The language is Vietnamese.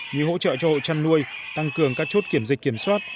như hỗ trợ cho hộ chăn nuôi tăng cường các chốt kiểm dịch kiểm soát